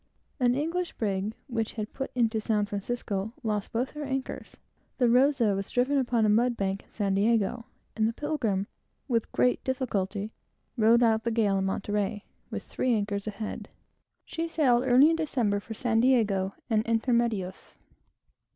An English brig, which had put into San Francisco, lost both her anchors; the Rosa was driven upon a mud bank in San Diego; and the Pilgrim, with great difficulty, rode out the gale in Monterey, with three anchors a head. She sailed early in December for San Diego and intermedios.